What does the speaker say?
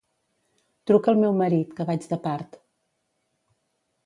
Truca al meu marit, que vaig de part.